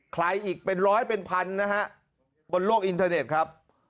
ใครอีกเป็นร้อยเป็นพันนะฮะบนโลกอินเทอร์เน็ตครับ